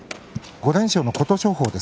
５連勝の琴勝峰です。